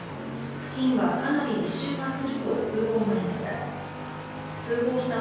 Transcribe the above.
付近は、かなり異臭がすると通報がありました。